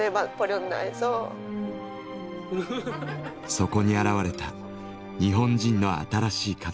そこに現れた日本人の新しい家族。